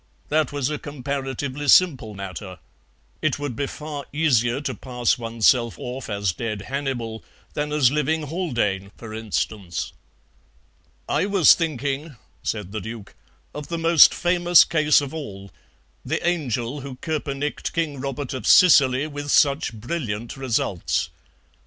That was a comparatively simple matter. It would be far easier to pass oneself of as dead Hannibal than as living Haldane, for instance." "I was thinking," said the Duke, "of the most famous case of all, the angel who koepenicked King Robert of Sicily with such brilliant results.